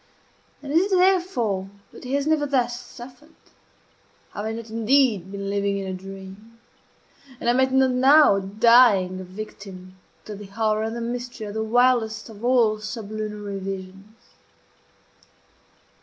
And is it therefore that he has never thus suffered? Have I not indeed been living in a dream? And am I not now dying a victim to the horror and the mystery of the wildest of all sublunary visions?